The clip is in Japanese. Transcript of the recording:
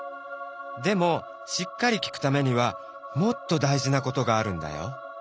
でもしっかり聞くためにはもっと大じなことがあるんだよ。